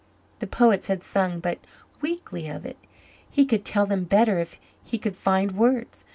The poets had sung but weakly of it. He could tell them better if he could find words.